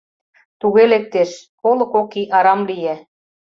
Туге лектеш: коло кок ий арам лие.